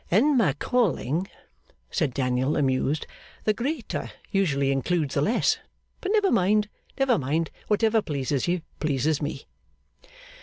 'In my calling,' said Daniel, amused, 'the greater usually includes the less. But never mind, never mind! Whatever pleases you, pleases me.